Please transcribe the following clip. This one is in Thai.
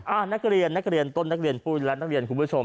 นักเรียนนักเรียนต้นนักเรียนปุ้ยและนักเรียนคุณผู้ชม